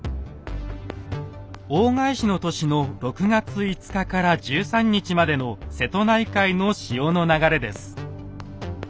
大返しの年の６月５日から１３日までの瀬戸内海の潮の流れです。